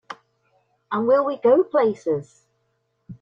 And will we go places!